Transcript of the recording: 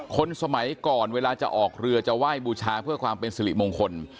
คนสมัยก่อนเวลาจะออกเรือจะไหว้บูชาเพื่อความเป็นสิริมงคล